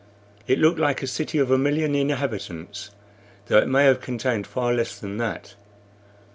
It looked like a city of a million inhabitants, though it may have contained far less than that.